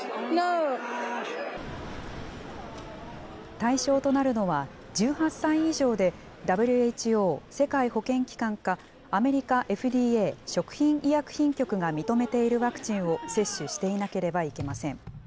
対象となるのは、１８歳以上で、ＷＨＯ・世界保健機関か、アメリカＦＤＡ・食品医薬品局が認めているワクチンを接種していなければいけません。